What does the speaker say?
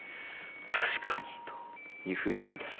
「確かに」という風に思いました。